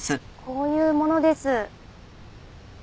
こういう者です。